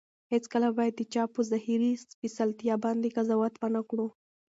هیڅکله باید د چا په ظاهري سپېڅلتیا باندې قضاوت ونه کړو.